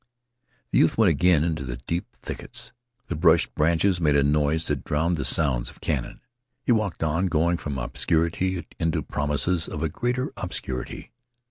The youth went again into the deep thickets. The brushed branches made a noise that drowned the sounds of cannon. He walked on, going from obscurity into promises of a greater obscurity.